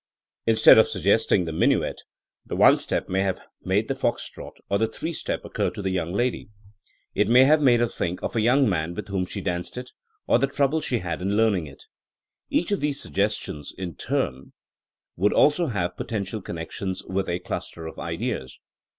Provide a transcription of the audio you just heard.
Instead of suggesting the minuet, the one step may have made the fox trot or the three step occur to the young lady. It may have made her think of a young man with whom she danced it, or the trouble she had in learning it. Each of these suggestions, in turn, 72 THZNEma A8 A 80IENOE would also have potential connections with a cluster of ideas.